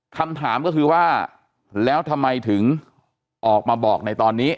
คำถามก็คือว่าแล้วทำไมถึงออกมาบอกในตอนนี้